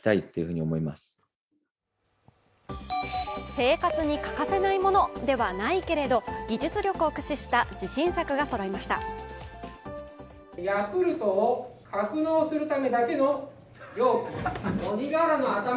生活に欠かせないものではないけれど、技術力を駆使した自信作がそろいました。